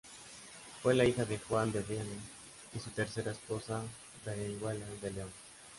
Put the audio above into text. Fue la hija de Juan de Brienne y su tercera esposa Berenguela de León.